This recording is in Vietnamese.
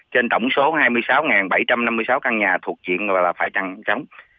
trên tổng số hai mươi sáu bảy trăm năm mươi sáu căn nhà thuộc diện phải trăng trống